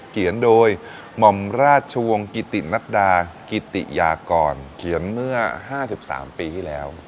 เขียนโดยหม่อมราชวงศ์กิตินัดดากิติยากรเขียนเมื่อ๕๓ปีที่แล้ว